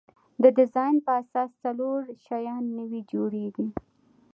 د ډیزاین په اساس څلور شیان نوي جوړیږي.